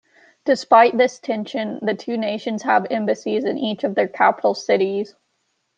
Despite this tension, the two nations have embassies in each of their capital cities.